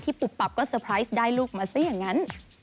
ปุบปับก็เตอร์ไพรส์ได้ลูกมาซะอย่างนั้น